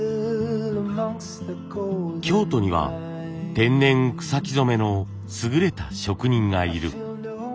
京都には天然草木染めの優れた職人がいる。